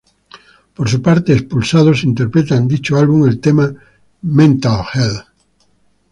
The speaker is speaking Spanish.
Por su parte Expulsados interpreta en dicho álbum el tema ""Mental Hell"".